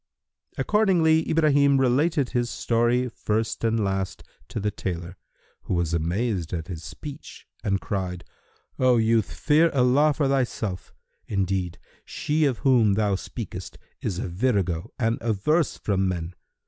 Accordingly Ibrahim related his story first and last to the tailor, who was amazed at his speech and cried, "O youth, fear Allah for thyself :[FN#313] indeed she of whom thou speakest is a virago and averse from men.